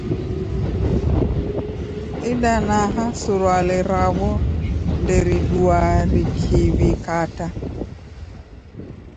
Idanaa surwale raw'o nderidua rikiw'ikata.